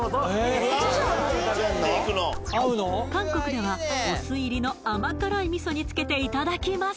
韓国ではお酢入りの甘辛いみそにつけていただきます